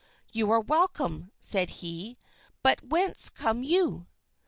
"You are welcome," said he, "but whence come you?"